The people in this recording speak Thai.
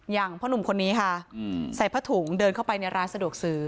พ่อหนุ่มคนนี้ค่ะใส่ผ้าถุงเดินเข้าไปในร้านสะดวกซื้อ